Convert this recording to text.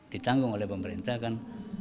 ditanggung oleh pemerintah kan